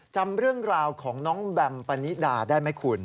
จำเรื่องราวของน้องแบมปณิดาได้ไหมคุณ